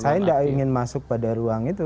saya tidak ingin masuk pada ruang itu